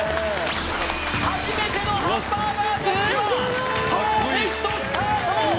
初めてのハンバーガージャッジはパーフェクトスタート